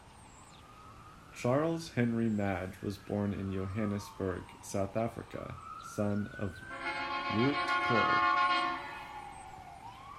Charles Henry Madge was born in Johannesburg, South Africa, son of Lieut-Col.